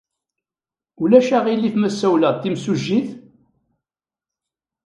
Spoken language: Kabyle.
Ulac aɣilif ma ssawleɣ d timsujjit?